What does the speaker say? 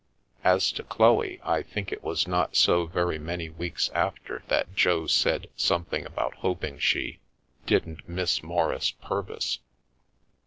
As to Chloe, I think it was not so very many weeks after that Jo said something about hoping she " didn't miss Maurice Pur vis?"